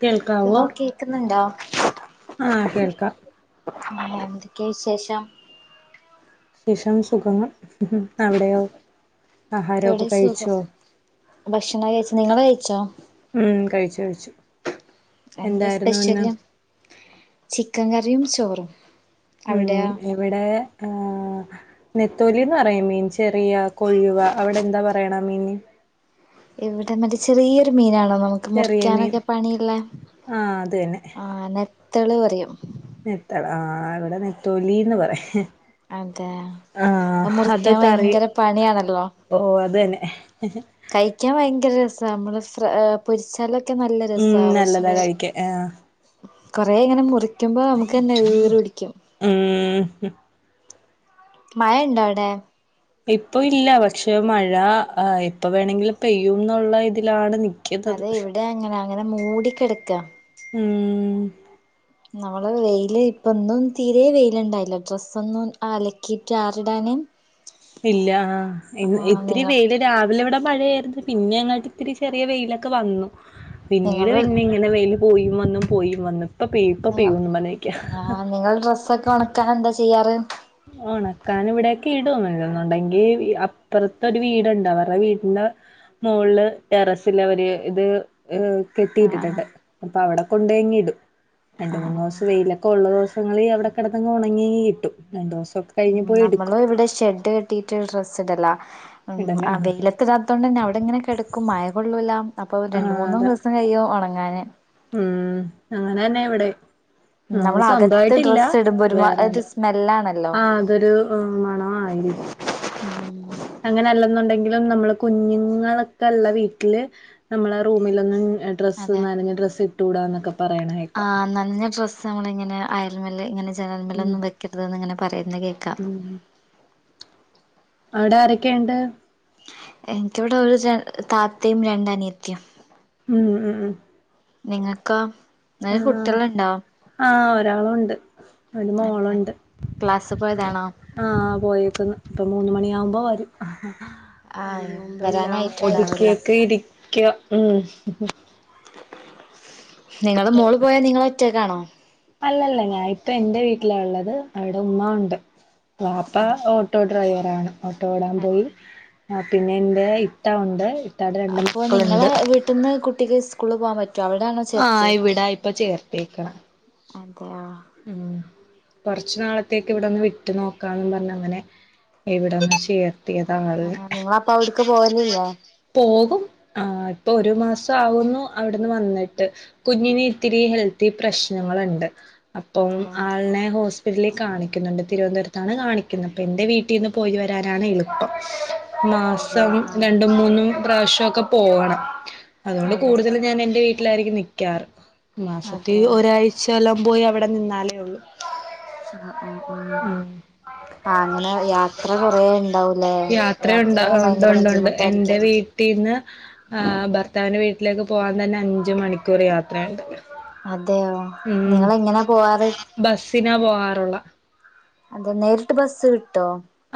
കേൾക്കാവോ ഹലോ കേക്കുന്നൊണ്ടൊ ആ കേൾക്കാം ആ എന്തൊക്കെയാ വിശേഷം വിശേഷം സുഖങ്ങൾ അവിടെയൊ ഇവടേം സുഖം ഭക്ഷണം കഴിച്ചു നിങ്ങള് കഴിച്ചൊ ഉം കഴിച്ചു കഴിച്ചു എന്താ എന്താരുന്നു ഇന്ന് സ്പെഷ്യല് ചിക്കൻ കറിം ചോറും ഉം അവിടെയോ ഇവിടേ ആ നെത്തോലീന്ന് പറയും മീൻ ചെറിയ കൊഴുവ അവടെ എന്താ പറയണെ മീൻന് ഇവിടെ മറ്റെ ചെറിയൊരു മീനാണൊ നമുക് ചെറിയ മീൻ മുറിക്കാനൊക്കെ പണിയൊള്ളേ ആഹ് അത് തന്നെ ആ നത്തോളീ പറയും നെത്തള് ആ ഇവിടെ നത്തോലീന്ന് പറേം അതെ അ മുറിക്കാൻ ഭയങ്കര പണിയാണല്ലൊ ഓ അതുതന്നെ കഴിക്കാൻ ഭയങ്കര രസാ നമ്മള് ഫ്രൈ പൊരിച്ചാലൊക്കെ നല്ല ഉം രസാ നല്ലതാ പക്ഷെ കഴിക്കാൻ ആഹ് കൊറെ ഇങ്ങനെ മുറിക്കുമ്പൊ നമുക്കേന്നെ ഈറ് പിടിക്കും ഉം ഹും മയണ്ടാവ്ടെ ഇപ്പൊ ഇല്ല പക്ഷെ മഴ എപ്പൊ വേണെങ്കിലും പെയ്യുന്നുള്ള ഇതിലാണ് നി അതെ ഇവട അങ്ങന അങ്ങന മൂടിക്കെട്ക്ക ഉം ന്നാള് വെയില് ഇപ്പൊന്നും തീരെ വെയില്ണ്ടായില്ല ഡ്രസ്സൊന്നും അലക്കീട്ടാറിടാന് ഇല്ല ഇത്തിരി നിങ്ങ വെയില് രാവിലെ ഇവിടെ മഴയായിരുന്നു പിന്നെ അങ്ങോട്ട് ഇത്തിരി ചെറിയ വെയിലൊക്കെ വന്നു പിന്നീട് നിങ്ങള് പിന്നെങ്ങ അങ്ങനെ വെയിൽ പോയി വന്നും പോയി വന്നും ഇപ്പ പെയും ഇപ്പ പെയുന്നു പറഞ്ഞിരിയ്ക്കാ ങ്ങൾ ഡ്രസ്സൊക്കെ താൻ എന്താ ചെയ്യാറ് ഉണക്കാൻ ഇവിടെയൊക്കിടും അല്ലന്നുണ്ടെങ്കി അപ്പുറത്തെ ഒരു വീടുണ്ട് അവരുടെ വീടിൻ്റെ മോളില് ടെറസില് അവര് ഇത് എ ആഹ് ആഹ് കെട്ടിയിട്ടിട്ടുണ്ട് അപ്പോ അവിടെ കൊണ്ടോയിങ്ങിടും രണ്ട് ആഹ് മൂന്ന് ആഹ് ദിവസം വെയിലൊക്കെ ഉള്ള ദിവസങ്ങളി അവിടെ കിടങ്ങ് ഉണങ്ങീട്ടും രണ്ട് ദിവസൊക്കെ കഴിഞ്ഞ് പോയി നമ്മള് എടുക്കും ഇവിടെ ഷെഡ് കെട്ടിയിട്ട് ഡ്രസ് ഇടലാ ഉം ഇടല അ ആഹ് വെയിലത്തിടാത്തൊണ്ടെന്നെ അവിടെ ഇങ്ങനെ കിടക്കും മഴ കൊള്ളൂല അപ്പൊ രണ്ട് ആഹ് മൂന്നോ അതാ ദിവ പ്പോ കയോ ഉണങ്ങാന് ഉം അങ്ങനെന്നെ ഇവിടെം ആഹ് നമ്മളകത്ത് സ്വന്തായിട്ടില്ല ഡ്രസ്സ് ഇടുമ്പോ ഒരുമാ വേറെ ഒരു സ്മെല്ലാണല്ലോ ആഹ് അതൊരു മണമായിരിക്കും ഉം അങ്ങനെ അല്ലെന്നുണ്ടെങ്കിലും നമ്മൾ കുഞ്ഞുങ്ങളൊക്കെള്ള വീട്ടില് നമ്മളെ റൂമിലൊന്നും ഡ്രസ്സ് അതെ നനഞ്ഞ ഡ്രസ്സ് ഇട്ടൂടാന്നൊക്കെ പറയണേക്ക ആഹ് നനഞ്ഞ ഡ്രസ്സ് നമ്മൾ ഇങ്ങനെ അയൽമേല് ഇങ്ങനെ ജനൽമേല് ഒന്നും വെക്കരുത് എന്ന് ഇങ്ങനെ പറയുന്ന കേൾക്കാം. ഉം അവിടെ ആരൊക്കെയുണ്ട് എനിക്കിവിടെ ഒരു ജ താത്തയും രണ്ട് അനിയത്തിയും ഉം ഉം നിങ്ങക്കോ നിങ്ങക്ക് ആഹ് കുട്ടികളുണ്ടോ ആഹ് ഒരാളുണ്ട് ഒരു അതെ മോളുണ്ട് ക്ലാസ് പോയതാണോ ആ പോയേക്കുന്നു ഇപ്പൊ മൂന്നുമണിയാകുമ്പോ വരും അതിന് ആഹ് മുമ്പെല്ലാം വരാനായിട്ടുണ്ടാവില്ല ഒതുക്കിയൊക്കെ ഇരിക്ക ഉം നിങ്ങള മോള് പോയ നിങ്ങള് ഒറ്റക്കാണോ അല്ല അല്ല ഞാൻ ഇപ്പ എന്റെ വീട്ടിലാ ഉള്ളത് അവിടെ ഉമ്മ ഉണ്ട് വാ. പ്പ ഓട്ടോ ഡ്രൈവർ ആണ് ഓട്ടോ ഓടാൻ പോയി. അതെ ആഹ് പിന്നെ എന്റെ ഇത്ത ഉണ്ട് ഇ അപ്പൊ നിങ്ങള വീട്ടിന്ന് കുട്ടിക്ക് സ്കൂളി പോകാൻ പറ്റോ അവിടെ ആണ് ആഹ് ഇവിടാ ഇപ്പൊ ചേർത്തിക്ക്ണേ അതയാ ഉം കുറച്ചു നാളത്തേക്ക് ഇവിടൊന്ന് വിട്ട് നോക്കാന്ന് പറഞ്ഞ് അങ്ങനെ ഇവിടെന്ന് ചേർത്തിയതാ ആള് ആഹ് നിങ്ങളപ്പ അവിടക്ക് പോവലില്ലേ പോകും ആഹ് ഇപ്പൊ ഒരു മാസം ആവുന്നു അവിടുന്ന് വന്നിട്ട് കുഞ്ഞിന് ഇത്തിരി ഹെൽത്തി പ്രശ്നങ്ങളുണ്ട് അപ്പം അതെയോ ആളിനെ ഹോസ്- പില് കാണിക്കുന്നുണ്ട് തിരുവനന്തപുരത്താണ് കാണിക്കുന്നെ പ്പം എൻ്റെ വീട്ടീന്ന് പോയി വരാനാണ് എളുപ്പം അതെയോ മാസം ആഹ് രണ്ടും മൂന്നും പ്രാവശ്യം ഒക്കെ പോകണം അതുകൊണ്ട് അതെ കൂടുതലും ഞാൻ എന്റെ വീട്ടിലായിരിക്കും നിക്കാറ് മാസത്തിൽ അതെയോ ഒരാഴ്ചെല്ലാം പോയി അവ ടെ നിന്നാലേ ഉള്ളൂ അ അ ആഹ് ഉം ആഹ് അങ്ങനെ യാത്ര കൊറേ ഉണ്ടാവൂലേ യാത്രയുണ്ട യാത്രയ്യാൻ ഭയങ്കര ബുദ്ധിമുട്ടായിരിക്കും. പിന്നെഭർത്താവിന്റെ വീട്ടിലേക്ക് പോകാൻ തന്നെ അഞ്ച് മണിക്കൂർ യാത്രയുണ്ട്. അതെയോ നിങ്ങൾ എങ്ങനെയാ പോവാറ് ബസിനാ പോകാറുള്ളെ അപ്പോ നേരിട്ട് ബസ്സ് കിട്ടോ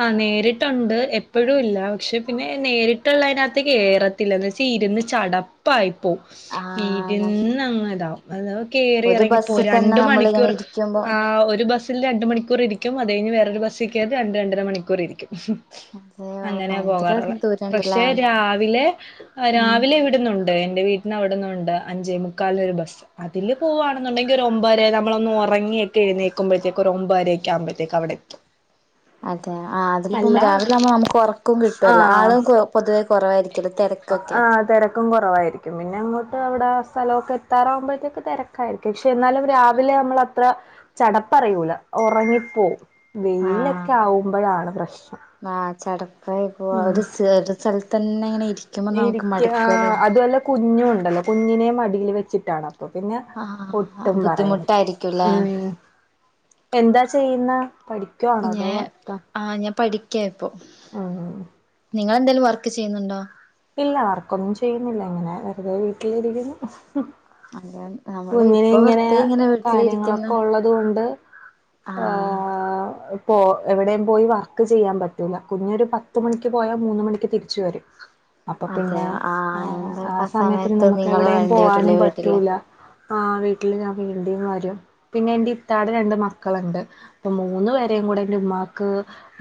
ആഹ് നേരിട്ടുണ്ട് എപ്പോഴുമില്ല പക്ഷെ പിന്നെ നേരിട്ടുള്ളതിനതിനകത്ത് കേറ- ത്തില്ല ഇരുന്ന് ചടപ്പായിപ്പോ ആഹ് ഇരുന്ന് അങ്ങനെ ഇതാവും അത് കയറി ഒരു ഇറങ്ങിപ്പോ ബസ്സി തന്നെ രണ്ട് നമ്മളിങ്ങനെ മണിക്കൂർ ഇരിക്കുമ്പോ ആഹ് ഒരു ബസ് രണ്ട് മണിക്കൂർ ഇരിക്കും അത് കഴിഞ്ഞ് വേറൊരു ബസിൽ കയറും രണ്ട് രണ്ടര മണിക്കൂർ ഇരിക്കും. അതെയോ അങ്ങനെയ ഭയങ്കര പോകാറുള്ളത് ദൂരണ്ടല്ലേ പക്ഷെ രാവിലെ ഉം രാവിലെ ഇവി വിടുന്നുണ്ട് എന്റെ വീട്ടിന് അവിടുന്നുണ്ട് അഞ്ചേ മുക്കാല് ഒരു ബസ്സ് അതില് പോകുവാണെന്നുണ്ടെങ്കിൽ ഒരു ഒമ്പരെ നമ്മള ഒന്ന് ഉറങ്ങിയ ഒക്കെ എഴുന്നേക്കുമ്പോഴേക്ക് ഒരു ഒമ്പരെയ ഒക്ക ആമ്പോഴത്തേക്ക് അവിടെ എത്തും അതെ ആഹ് അതില് പോകുമ്പോ രാവിലെ അല്ല ആമ്പോ നമുക്ക് ഉറക്കവും കിട്ടുവല്ലോ ആഹ് ആളും കുറ പൊതുവേ കുറവായിരിക്കല്ല തിരക്കൊക്കെ ക്കും കുറവായിരിക്കും പിന്നെ അങ്ങോട്ട് അവിടെ സ്ഥലമൊക്കെ എത്താറാകുമ്പഴത്തേക്ക് തിരക്കായിരിക്കും ഇഷ് എന്നാലും രാവിലെ നമ്മള് അത്ര ചടപ്പറിയൂല ഉറങ്ങിപ്പോവും ആഹ് വെയിലൊക്കെ ആവുമ്പോഴാണ് പ്രശ്നം ആഹ് ചടപ്പായി പോവാ ഉം ഒരു ഒരു സ്ഥലത്ത് തന്നെ ഇങ്ങനെ ഇരി ഇരിക്ക ആഹ് അതല്ല കുഞ്ഞും ഉണ്ടല്ലോ കുഞ്ഞിനെ മടീൽ വെച്ചിട്ടാണ് അപ്പൊ പിന്നെ ആഹ് ഒട്ടും പറയ ബുദ്ധിമുട്ടായിരിക്കുംല്ലേ ഉം എന്താ ചെയ്യുന്ന പഠിക്കുവാണോ അതോ വർക്ക ആഹ് ഞാൻ പഠിക്കാ ഇപ്പോ ഉം ഉം നിങ്ങൾ എന്തെങ്കിലും വർക്ക് ചെയ്യുന്നുണ്ടോ ഇല്ല വർക്കൊന്നും ചെയ്യുന്നില്ല ഇങ്ങനെ വെറുതെ വീട്ടില് ഇരിക്കുന്നു അതെ നമ്മള് കുഞ്ഞിന് ഇപ്പൊ ഇങ്ങനെ വെറുതെ വീട്ടിലിരിക്കുന്നു കാര്യങ്ങളൊക്കെ ഉള്ളത് കൊണ്ട് ആഹ് പോ എവിടെയും പോയി വർക്ക് ചെയ്യാൻ പറ്റൂല്ല കുഞ്ഞ് ഒരു പത്തു മണിക്ക് പോയാൽ മൂന്ന് മണിക്ക് തിരിച്ചു വരും അപ്പൊ പിന്നെ അതെയോ ആഹ് എന്താ ആഹ് ആ സമയത്തിന് സമയത്ത് നമുക്ക് നിങ്ങള് എവിടെയും വേണ്ടി പോവാനും വരൂലേ വീട്ടില് പറ്റൂല ആഹ് വീട്ടില് ഞാൻ വേണ്ടിം വരും പിന്നെ എന്റെ ഇത്താടെ രണ്ട് മക്കളുണ്ട് ഇപ്പൊ മൂന്ന് പേരെയും കൂടെ എന്റ് ഉമ്മാക്ക്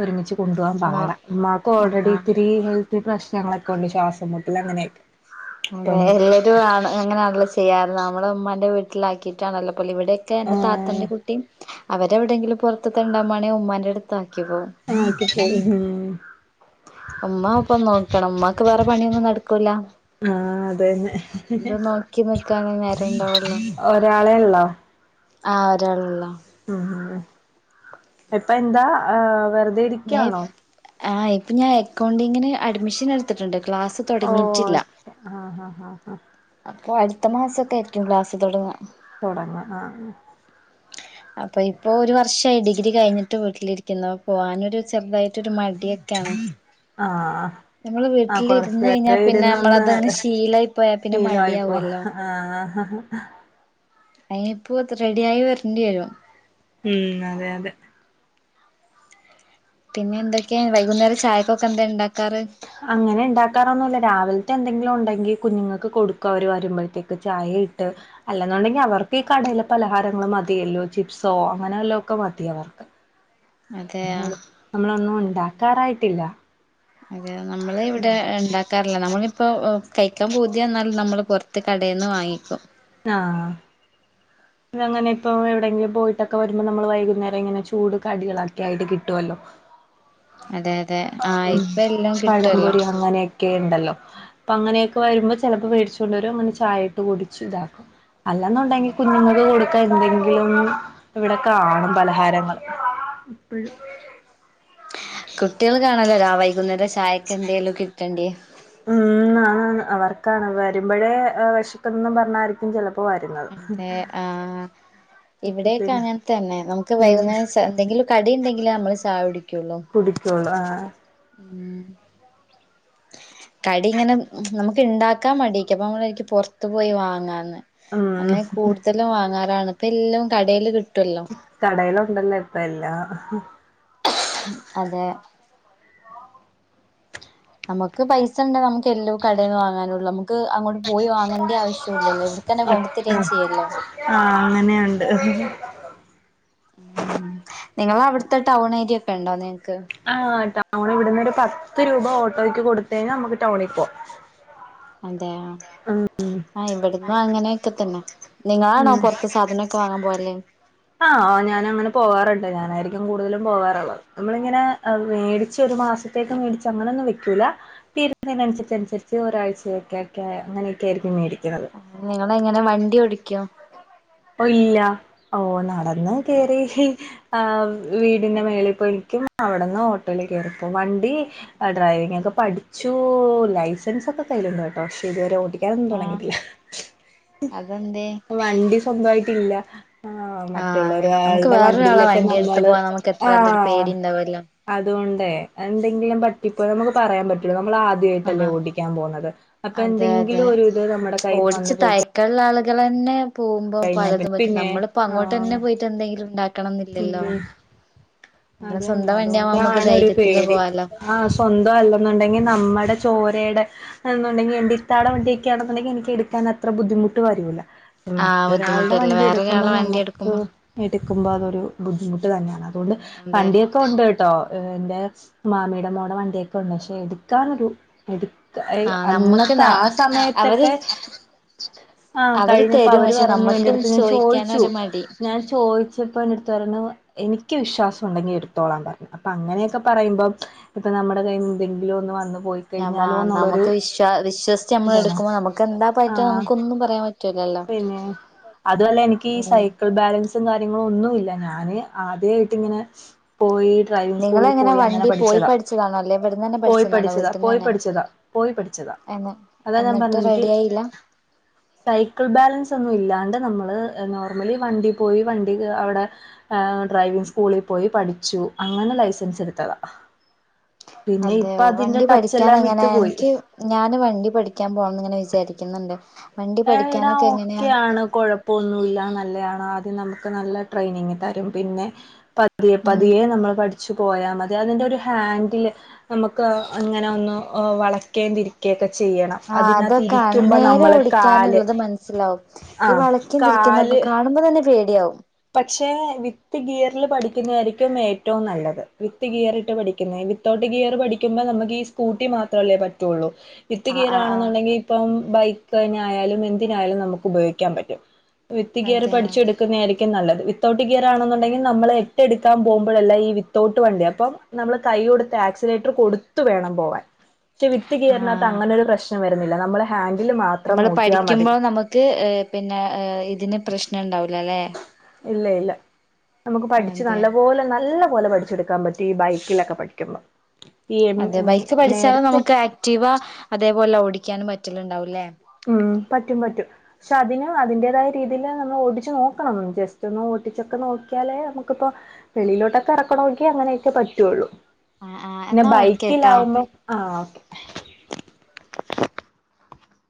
ഒരുമിച്ച് കൊണ്ടു പോകുവാൻ ന്നാ പാടാ ഉമ്മാക്ക് ഓൾറെഡി ആഹ് ഇത്തിരി ഹെൽത്ത് പ്രശ്നങ്ങളൊക്കെ ഉണ്ട് ശ്വാസം മുട്ടൽ അങ്ങനെയൊക്കെ അപ്പം അതെ എല്ലാരും ആണ് അങ്ങനെയാണല്ലോ ചെയ്യാറ് നമ്മളെ ഉമ്മാന്റെ വീ ട്ടിലാക്കിയിട്ടാണല്ലോ പോകല് ഇവിടെയൊക്കെ എന്റെ ആഹ് താത്താന്റെ കുട്ടിയും അവരെവിടെയെങ്കിലും പുറത്ത് തെണ്ടാൻ പോവാണേ ഉമ്മാന്റെ അടുത്ത് ആക്കിപ്പോകും [unintelligible] ഉമ്മാ ഒപ്പം നോക്കണം ഉമ്മാക്ക് വേറെ പണിയൊന്നും നടക്കൂല ആഹ് അതന്നെ ഇത് നോക്കി നിക്കാനേ നേരണ്ടാവുള്ളൂ ഒരാളെ ഉള്ളോ ആഹ് ഒരാളുള്ളു ഉം ഉം ഇപ്പ എന്താ വെറു ഞാൻ ഇപ്പ് ആഹ് ഇപ്പൊ ഞാൻ അക്കൗണ്ടിങ്ങിന് അഡ്മിഷൻ എടുത്തിട്ടുണ്ട് ക്ലാസ്സ് ഓ ശരി ആഹ് ഹ ഹ അപ്പൊ അടുത്ത മാസൊക്കെ ആയിരിക്കും ക്ലാസ്സ് തുടങ്ങ തുടങ്ങ ആഹ് അപ്പൊ ഇപ്പൊ ഒരു വർഷായി ഡിഗ്രി കഴിഞ്ഞിട്ട് വീട്ടിലിരിക്കുന്നു പോകാനൊരു ചെറുതായി ട്ടൊരു മടിയൊക്കെയാണ് ആഹ് നമ്മള് ആഹ് വീട്ടിലിരുന്ന് കഴിഞ്ഞാ കൊറച്ചേരം പിന്നെ ഇരുന്ന് ഒന്ന് നമ്മളതങ്ങ് ശീലായി പോയാ പിന്നെ ശീലായിപ്പോ മടിയാവല്ലോ ആഹ് അയിനിപ്പോത് റെഡി ആയി വരേണ്ടി വരും ഉം അതെ അതെ പിന്നെന്തൊക്കെയാ വൈകുന്നേരം ചായക്കൊക്കെ എന്താ ഇണ്ടാക്കാറ് അങ്ങനെ ഇണ്ടാക്കാറൊന്നുമില്ല രാവിലത്തെ എന്തെങ്കിലും ഒണ്ടെങ്കി കുഞ്ഞുങ്ങക്ക് കൊടുക്കും അവര് വരുമ്പഴത്തേക്ക് ചായേ ഇട്ട് അല്ലെന്നൊണ്ടെങ്കി അവർക്കീ കടേലെ പലഹാരങ്ങള് മതിയല്ലോ ചിപ്സോ അങ്ങനെല്ലോക്കെ മതി അവർ അതെയാ നമ്മളൊന്നും ഒണ്ടാക്കാറായിട്ടില്ല അതെയോ നമ്മളിവിടെ ഇണ്ടാക്ക ക്കാറില്ല നമ്മളിപ്പോ കയ്ക്കാൻ പൂതിയന്നാൽ നമ്മൾ പൊറത്ത് കടേന്ന് വാങ്ങിക്കും ആഹ് ആ ഇതങ്ങനെ ഇപ്പോ എവിടെയങ്കിലും പോയിട്ടൊക്കെ വരുമ്പം നമ്മള് വൈകുന്നേരം ഇങ്ങനെ ചൂട് കടികളൊക്കെ ആയിട്ട് കിട്ടുവല്ലോ. അതെ അതെ ആഹ് മ് ഇപ്പ എല്ലാം കിട്ടുവല്ലോ പഴംപൊരി അങ്ങനെക് ക്കെ ഇണ്ടല്ലോ അപ്പ അങ്ങനെയൊക്കെ വരുമ്പോ ചെലപ്പോ വേടിച്ചൊണ്ട് വരും അങ്ങനെ ചായായിട്ട് കുടിച്ച് ഇതാക്കും. അല്ലാന്നുണ്ടെങ്കി കുഞ്ഞുങ്ങക്ക്‌ കൊടു ക്കെ എന്തെങ്കിലും ഇവിടെ കാണും പലഹാരങ്ങൾ എപ്പഴും. കുട്ടികള് കാണല്ലോ രാ വൈകുന്നേരം ചായക്ക് എന്തേലും കിട്ടണ്ടേ. ഉം [unintelligible] അവർക്കാണ് വരുമ്പഴേ വെശക്കുംന്ന് പറഞ്ഞാ ക്കും ചെലപ്പോ വരുന്ന അതെ ആഹ് ഇപ്പ ഇവിടെയൊക്കെ പിന്നെ അങ്ങനെ തന്നെ നമുക്ക് ഉം വൈകുന്നേരം ചാ എന്തെങ്കിലും കടി ഇണ്ടെങ്കിലെ നമ്മള് ചായ കുടിക്കുള്ളു. ക്കുള്ളു ആ മ് കടി ഇങ്ങനെ നമു ഇണ്ടാക്കാൻ മടിക്യാ അപ്പം നമ്മള് വിചാരിക്കും പൊറത്ത പോയി വാങ്ങാന്ന്, അങ്ങനെ ഉം കൂടുത ല്ലാം വാങ്ങാറാണ് ഇപ്പ എല്ലും കടയിൽ കിട്ടുവല്ലോ കടേൽ ഉണ്ടല്ലോ ഇപ്പ എല്ലാം. അതെ നമുക്ക് പൈസ ഇണ്ട നമുക്ക് എല്ലോ കടേന്ന് വാങ്ങാനുള്ളൂ നമുക്ക് അങ്ങോട്ട് പോയി വാങ്ങണ്ടി ആവശ് ട്ടും ഇല്ലല്ലോ ഇവട് തന്നെ കൊണ്ടു തരേം ചെയ്യല്ലോ. ആഹ് അങ്ങനെയുണ്ട്. ഉ നിങ്ങക്ക് അവിടുത്തെ ടൗൺ ഏരിയ ഒക്കെ ഇണ്ടാ നിങ്ങ്ക്ക്? ആ ടൗൺ ഇവിട ന്നോരു പത്ത് രൂപ ഓട്ടോയ്ക്ക് കൊടുത്ത ഴിഞ്ഞാൽ നമുക്ക് ടൗണിൽ പോകാം അതെ ആഹ് ഇവിടുന്ന് അങ്ങനെയൊക്കെ തന്നെ. നിങ്ങളാണോ പൊറത്ത് സാധനൊക്കെ വാങ്ങാൻ പോകല്. ആഹ ഞാന അങ്ങനെ പോവാറുണ്ട് ഞാനായിരിക്കും കൂടുതലും പോവാാറുള്ളത് നമ്മളിങ്ങനെ മേടിച്ച ഒരു മാസം യേക്ക മേടിച്ച് അങ്ങനൊന്നും വെക്കൂല്ല തീരുന്നതിനനുസരി അനുസരിച്ച് ഒരാഴ്ചയൊക്കെ ഒക്കെ അങ്ങനെയൊക്കെ ആയിരിക്കും മേടിക്കുന്നത്. നിങ്ങള് എങ്ങനെ വണ്ടി ഓടിക്കും. ഇപ്പോ ഇല്ല ഓ നടന്ന് കേറി ആഹ് വീടിന്റെ മേലെ ഇപ്പോ [unintelligible] അവിടെന്ന് ഓട്ടോൽ കേറിപ്പോകും വണ്ടി ഡ്രൈവിംഗ് ഒക്കെ പഠിച്ചു ലൈസൻസ് ഒക്കെ കയ്യിലുണ്ട് കേട്ടോ പക്ഷേ ഇതുവരെ ഓടി ക്കാനൊന്നും ആ തൊടങ്ങിട്ടില്ല അതെന്തേ വണ്ടി സ്വന്തായിട്ടില്ല. ആ ആ മറ്റുള്ള നമുക്ക് ഒരാളുടെ വേറൊരാളെ വണ്ടിയിലൊക്കെ വണ്ടി എടുത്ത് നമ്മള് പോവാൻ നമുക്ക് എത്രായാലും ഒരു ആഹ പേടി ഉണ്ടാവല്ലോ അതുകൊണ്ടേ എന്തെങ്കിലും പറ്റിപ്പോയ നമുക്ക് പറയാൻ പറ്റുള്ളൂ നമ്മള് ആ ദ്യായിട്ടല്ലേ ആ ഓടിക്കാൻ പോവുന്നത് അപ്പോ അതെ എന്തെങ്കിലോര്ത് നമ്മടെ കൈയിന്ന് വന്ന് പോയി ക ക്കള്ള ആളുകള് തന്നെ പോകുമ്പോ പിന്നെ പലതും പറ്റും പിന്നെ നമ്മളിപ്പോ അങ്ങോട്ട് തന്നെ ആ പോയി റ്റ് എന്തെങ്കിലും ഉണ്ടാക്കണം ന്നില്ലല്ലോ. ഉം നമ്മള അത് തന്നെ സ്വന്തം വണ്ടിയാവുമ്പോ നമുക്ക് ധൈര്യത്തില് പോകാലോ. ആ സ്വന്തം അല്ലെന്നുണ്ടെങ്കി നമ്മടെ ചോരെടെ എന്നുണ്ടെങ്കി എന്റെ ഇത്താടെ വണ്ടിയൊക്കാണെന്നുണ്ടെങ്കിൽ എനിക്ക് എടുക്കാൻ അത്ര ബുദ്ധിമുട്ട് വരൂല്ല ആഹ് മറ്റൊരാളുടെ ബുദ്ധിമുട്ടല്ല വണ്ടി എടുക്കുമ്പോ വേറൊരാളെ വണ്ടി നമ്മുക്ക് എടുക്കുമ്പോ എടുക്കുമ്പോ അതൊരു ബുദ്ധിമുട്ട് തന്നെയാണ് അതുകൊണ്ട് അതെ ക്ക ഉണ്ട് കേട്ടോ എന്റെ മാമിയുടെ മോടെ വണ്ടിയൊക്കെ ഉണ്ട് പക്ഷെ എടുക്കാാനൊരു എടുക്ക ഏ ആഹ് നമ്മക്ക് അന്നത്തെ ന ആ അവര് സമയത്തൊക്കെ ആഹ് അവര് കഴിഞ്ഞപ്പോ തരും അവര് പക്ഷെ പറഞ്ഞു നമ്മക്ക് എന്റെടുത്ത് ഞാൻ ചോയിച്ചു ചോയിക്കാനൊരു മടി ഞാൻ ചോയി [unintelligible] എന്റെ എടുത്തു പറഞ്ഞു എനിക്ക് വിശ്വാസം ഉണ്ടെങ്കി എടുത്തോളാ പറഞ്ഞു അപ്പ അങ്ങനെയൊക്കെ പറയ്മ്പം ഇപ്പ നമ്മുടെ കയ്യിന്ന് എന്തെങ്കിലും ഒന്ന് വന്ന് പോയി- ഞാ മ്മ കഴിഞ്ഞാലോ എന്നുള്ളൊരു നമുക്ക് വിശ്വാ വിശ്വസിച്ച് നമ്മള് ഇതാണ് എടുക്കുമ്പോ നമുക്ക് എന്താ പറ്റോ ആഹ് നമുക്ക് ഒന്നും പറയാൻ പ പിന്നെ അതുവല്ല എനിക്ക് ഈ ഉം സൈക്കിൾ ബാലൻസ് ത്തും കാര്യങ്ങളു ഒന്നുവില്ല ഞാന് ആദ്യായിട്ട്ങ്ങനെ പോയി ഡ്രൈവിങ് സ്കൂളി നിങ്ങളെങ്ങനെ പോയി അങ്ങനെ വണ്ടി പോയി പഠിച്ചതാ പഠിച്ചതാണോ അല്ലെ ഇവിടന്നന്നെ പോയി പഠിച്ചതാണോ പഠിച്ചതാ പോയി വീട്ടിന്നന്നെ പഠിച്ചതാ പോയി പഠിച്ചതാ അതാ ഞാൻ പറഞ്ഞ എനിക്കി ഉ സൈക്കിൾ ബാലൻസൊന്നും ഇല്ലാണ്ട് നമ്മള് നോർമലി വണ്ടി പോയി വണ്ടി അവിടെ എ ഡ്രൈവിങ് സ്കൂളി പോയി പഠിച്ചു അങ്ങനെ ലൈസൻസെടുത്തതാ അതെയോ വണ്ടി ടച്ച് എല്ലാം വിട്ടു പഠിക്കാനെങ്ങനെയാ പോയി എനിക്ക് ഞാന് വണ്ടി പഠിക്കാൻ പോണംന്ന്ങ്ങനെ വിചാരിക്ക്ന്ന്ണ്ട് ഏ ഏടാ ഓക്കെയാണ് കൊഴപ്പം പ്പൊന്നുല്ല നല്ലയാണ് ആദ്യം നമുക്ക് നല്ല ട്രെയിനിങ് തരും പിന്നെ പതിയെ ഉം പതിയെ നമ്മള് പഠി ച്ച് പോയാ മതി അതിൻ്റെരു ഹാൻഡില് നമുക്ക് അങ്ങനെ ഒന്ന് ഒ വളക്കേണ്ടിരിക്കും ക്കേക്കെ ചെയ്യണം ആഹ് അതൊക്കാണ് അതിനാത്തിരിക്കുമ്പ നേരെ നമ്മള് കാല് ഓടിക്കാനുള്ളത് മനസ്സിലാവും ഈ ആഹ് വളക്കും തിരിക്കുന്നൊക്കെ കാല് [unintelligible] തന്നെ പേടിയാവും പക്ഷെ വിത്ത് ഗിയറില് പഠിക്കുന്നയാരിക്കും ഏറ്റവും നല്ലത് വിത്ത് ഗിയറിട്ട് പഠിക്കുന്നെ വി ത്തോട്ട് ഗിയറ് പഠിക്കുമ്പ നമുക്കീ സ്കൂട്ടി മാത്രല്ലേ പറ്റൂള്ളൂ വിത്ത് ആഹ് ആഹ് ആഹ് ഗിയറാണെന്നൊണ്ടെങ്കി ഇപ്പം ബൈക്കന്നെ ആയാലും എന്തിനായാലും നമുക്ക് ഉപയോഗിക്കാൻ പറ്റും വിത്ത് ഗിയറ് അതെയോ പഠിച്ചുെടുക്കുന്നയായിരിക്കും നല്ലത് വിത്തൗട്ട് ഗിയറാണെന്നൊണ്ടെങ്കി നമ്മളെ ട്ടെടുക്കാൻ പോമ്പോഴെല്ലാ ഈ വിത്തോട്ട് വണ്ടിയാപ്പം നമ്മള് കൈ കൊടുത്ത് ആക്സിലേറ്ററ് കൊടുത്ത് വേണം പോവാൻ പക്ഷെ വിത്ത് ആഹ് ഗിയർനാത്തങ്ങനൊ ഒരു പ്രശ്നം വരുന്നില്ല നമ്മള് ഹാൻഡിൽ മാത്രം നമ്മള് നോക്കിയാൽ മതി പഠിക്കുമ്പോൾ നമുക്ക് എ പിന്നെ എ ഇതിന് പ്രശ്നംണ്ടാവൂലല്ലേ ഇല്ലയില്ല നമുക്ക് പഠിച്ച് അതെ നല്ല പോലെ നല്ല പോലെ പഠിച്ചെടു ക്കാം പറ്റി ഈ ബൈക്കിലെക്കെ പഠിക്കുമ്പോ ഈ എം അതെ എം ബൈക്ക് പഠിച്ചാലും നേരത്തെ നമുക്ക് ആക്റ്റീവാ അതേപോലെ ഓടിക്കാനും പറ്റലുണ്ടാവൂല്ലേ ഉം പറ്റും പറ്റും ഷതിന് അതിന്റേതായ രീതീല് നമ്മളോടിച്ച് നോക്കണം ജസ്റ്റൊന്ന് ഓടിച്ചൊക്കെ നോക്കിയാലേ നമുക്കിപ്പോ വെളീലോട്ടൊക്കെ എറക്കണോങ്കി അങ്ങനെക്കെ പറ്റുള്ളൂ ആ ആ പിന്നെ എന്നാ ഓക്കേട്ടോ ബൈക്കിലാവുമ്പം ആഹ് ഓക്കേ